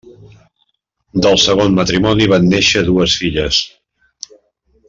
Del segon matrimoni van néixer dues filles.